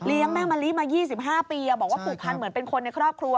แม่มะลิมา๒๕ปีบอกว่าผูกพันเหมือนเป็นคนในครอบครัว